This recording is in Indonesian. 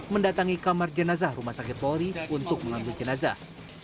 mendatangi kamar jenazah rumah sakit polri untuk mengambil jenazah